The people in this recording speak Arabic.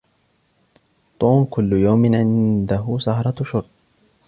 طوم كل يوم عنده سهرة شرب